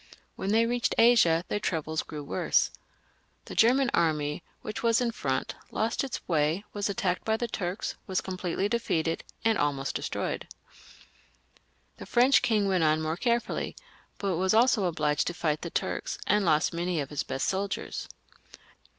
When they reached Asia, their troubles grew worse. The German army, which was in front, lost its way, was attacked by the Turks, was completely defeated, and almost destroyed. The French king went on more carefully, but was also obliged to fight the Turks, and lost many of his best soldiers.